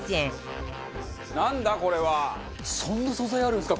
そんな素材あるんですか？